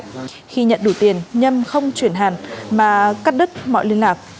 khi nhận đủ tiền nhâm không chuyển hàng mà cắt đứt mọi liên lạc